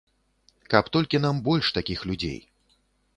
Каб толькі нам больш такіх людзей.